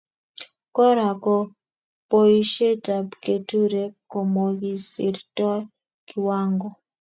Kora ko boisietab keturek komokisirtoe kiwango